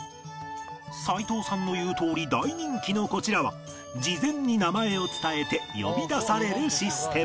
齋藤さんの言うとおり大人気のこちらは事前に名前を伝えて呼び出されるシステム